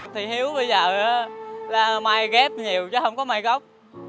thì hiếu bây giờ là may ghép nhiều chứ không có may gốc